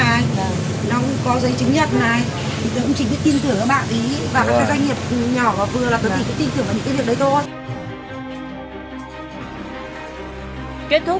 và các doanh nghiệp nhỏ vừa là tự tin tưởng vào những cái việc đấy thôi